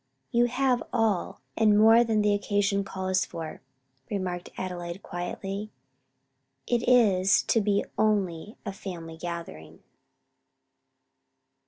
"You have all, and more than the occasion calls for," remarked Adelaide quietly; "it is to be only a family gathering."